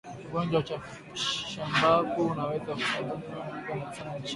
Ugonjwa wa chambavu unaweza kusambaa sehemu nyingi sana nchini